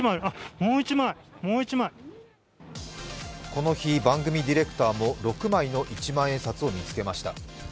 この日、番組ディレクターも６枚の一万円札を見つけました。